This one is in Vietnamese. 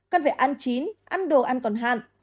cần phải ăn chín ăn đồ ăn còn hạn